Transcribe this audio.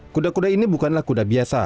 kuda kuda ini bukanlah kuda biasa